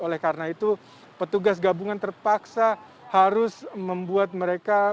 oleh karena itu petugas gabungan terpaksa harus membuat mereka